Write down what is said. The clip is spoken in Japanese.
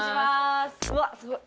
うわっすごい。